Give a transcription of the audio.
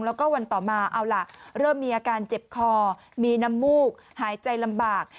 แล้วก็วันต่อมาเอาล่ะเริ่มมีอาการเจ็บคอมีน้ำมูกหายใจลำบาก